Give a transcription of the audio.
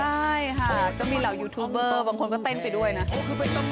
ใช่ค่ะก็มีเหล่ายูทูบเบอร์บางคนก็เต้นไปด้วยนะ